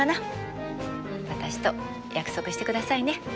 私と約束してくださいね。